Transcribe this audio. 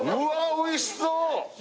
おいしそう！